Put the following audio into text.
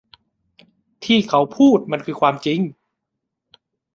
ที่เขาพูดมันคือความจริง